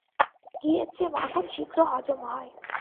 ঘিয়ের চেয়ে মাখন শীঘ্র হজম হয়।